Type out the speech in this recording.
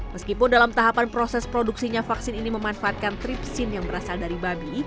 meskipun dalam tahapan proses produksinya vaksin ini memanfaatkan tripsin yang berasal dari babi